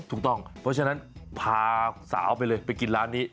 ถูกต้องเพราะฉะนั้นพาสาวไปเลยไปกินร้านนี้